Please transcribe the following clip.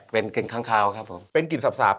เป็นกลิ่นค้างคาวครับผมเป็นกลิ่นสาบ